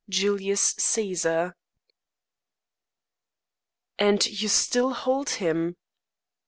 Julius Caesar. "And you still hold him?"